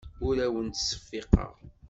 Ur awent-ttseffiqeɣ.